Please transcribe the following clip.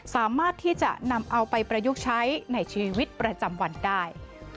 สามารถที่จะนำเอาไปประยุกต์ใช้ในชีวิตประจำวันได้